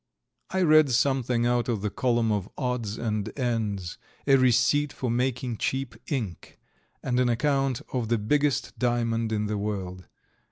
I read something out of the column of odds and ends, a receipt for making cheap ink, and an account of the biggest diamond in the world.